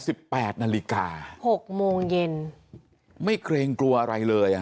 แปดนาฬิกาหกโมงเย็นไม่เกรงกลัวอะไรเลยอ่ะ